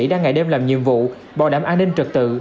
đang ngày đêm làm nhiệm vụ bảo đảm an ninh trật tự